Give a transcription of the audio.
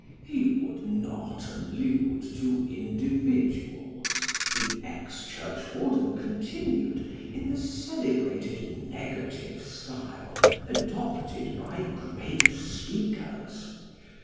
He would not allude to individuals (the ex churchwarden continued, iu the celebrated negative style adopted by great speakers).